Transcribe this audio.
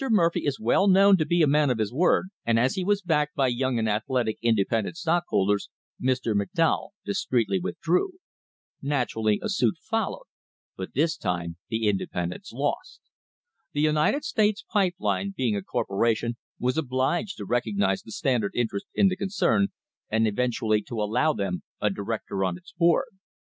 Murphy is well known to be a man of his word, and as he was backed by young and athletic independent stockholders, Mr. McDowell discreetly withdrew. Naturally a suit followed, but this time the inde pendents lost. The United States Pipe Line, being a corpo ration, was obliged to recognise the Standard interest in the concern and eventually to allow them a director on its board.